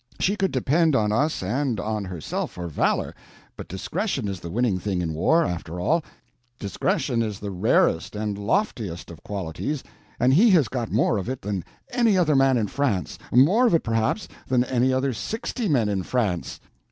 She could depend on us and on herself for valor, but discretion is the winning thing in war, after all; discretion is the rarest and loftiest of qualities, and he has got more of it than any other man in France—more of it, perhaps, than any other sixty men in France."